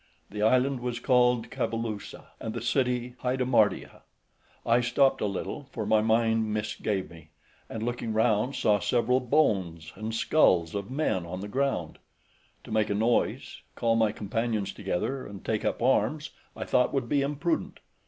The island was called Cabalusa, and the city Hydamardia. {147a} I stopped a little, for my mind misgave me, and looking round, saw several bones and skulls of men on the ground; to make a noise, call my companions together, and take up arms, I thought would be imprudent.